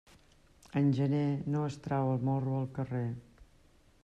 En gener, no es trau el morro al carrer.